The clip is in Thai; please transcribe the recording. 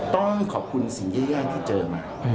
ต้องขอบคุณสิ่งแย่ที่เจอมา